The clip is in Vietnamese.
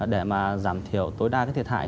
để mà giảm thiểu tối đa cái thiệt hại